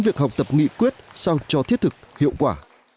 việc học tập nghị quyết sao cho thiết thực hiệu quả